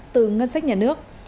từ ngân sách nhà nước